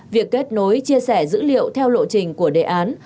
việc kết nối chia sẻ dữ liệu theo lộ trình của đề án